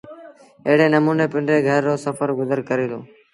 ايڙي نموٚني پنڊري گھر رو سڦر گزر ڪري دو